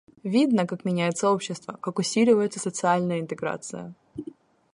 Видно, как меняется общество, как усиливается социальная интеграция.